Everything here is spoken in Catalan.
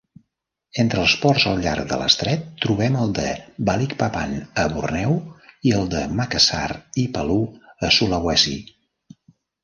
Entre els ports al llarg de l'estret trobem el de Balikpapan a Borneo i, el de Makassar i Palu, a Sulawesi.